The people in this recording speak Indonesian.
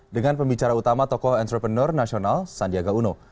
dengan pembicara utama tokoh entrepreneur nasional sandiaga uno